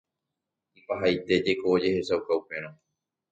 Ipahaite jeko ojehechauka upérõ.